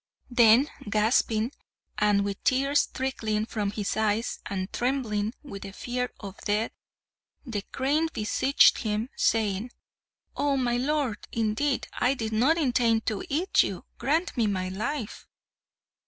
Then gasping, and with tears trickling from his eyes, and trembling with the fear of death, the crane beseeched him, saying, "O my Lord! Indeed I did not intend to eat you. Grant me my life!"